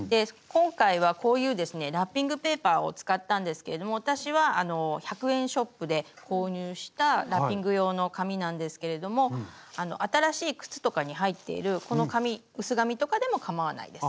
ラッピングペーパーを使ったんですけれども私は１００円ショップで購入したラッピング用の紙なんですけれども新しい靴とかに入っているこの紙薄紙とかでもかまわないです。